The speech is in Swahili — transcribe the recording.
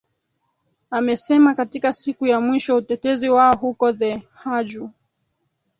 amesema katika siku ya mwisho utetezi wao huko the hague